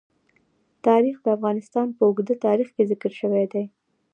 تاریخ د افغانستان په اوږده تاریخ کې ذکر شوی دی.